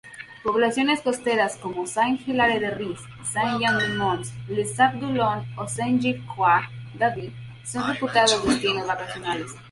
Poblaciones costeras como Saint-Hilaire-de-Riez, Saint-Jean-de-Monts, Les Sables-d'Olonne o Saint-Gilles-Croix-de-Vie son reputados destinos vacacionales.